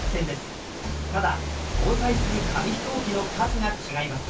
ただ搭載する紙飛行機の数が違います。